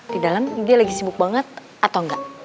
di dalam dia lagi sibuk banget atau enggak